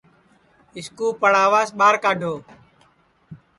اِس کُو پڑاواس ٻہار کڈؔو